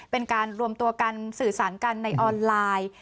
เป็นการรวมตัวกันสื่อสารกันในออนไลน์